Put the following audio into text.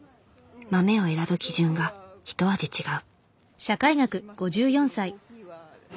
豆を選ぶ基準がひと味違う。